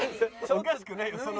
おかしくないの。